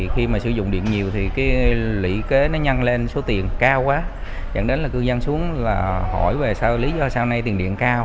khi mà sử dụng điện nhiều thì cái lĩ kế nó nhăn lên số tiền cao quá dẫn đến là cư dân xuống là hỏi về sao lý do sao nay tiền điện cao